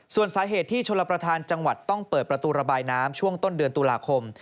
ส่วนสาเหตุที่ชลประธานจังหวัดต้องเปิดประตูระบายน้ำช่วงต้นเดือนตุลาคม